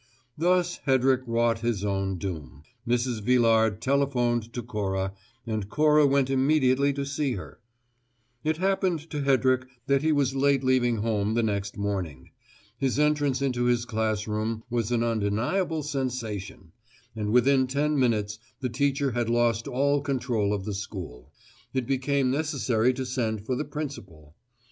Thus Hedrick wrought his own doom: Mrs. Villard telephoned to Cora, and Cora went immediately to see her. It happened to Hedrick that he was late leaving home the next morning. His entrance into his classroom was an undeniable sensation, and within ten minutes the teacher had lost all control of the school. It became necessary to send for the principal.